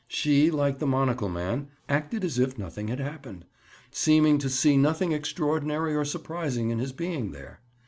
She, like the monocle man, acted as if nothing had happened, seeming to see nothing extraordinary or surprising in his being there.